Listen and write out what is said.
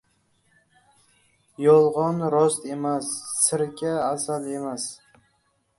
• Yolg‘on — rost emas, sirka — asal emas.